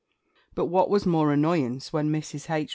But what was more annoyance when Mrs. H.